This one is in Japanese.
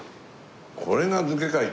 これが漬けかい！